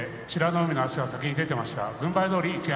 海の足が先に出ていました。